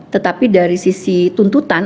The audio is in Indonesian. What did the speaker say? tetapi dari sisi tuntutan